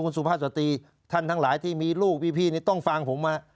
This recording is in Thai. สุภาพสตรีท่านทั้งหลายที่มีลูกพี่นี่ต้องฟังผม